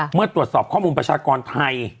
เมื่อตรวจสอบข้อมูลประชากรไทย